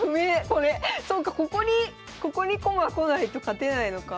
そうかここにここに駒来ないと勝てないのか。